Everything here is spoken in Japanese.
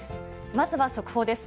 まずは速報です。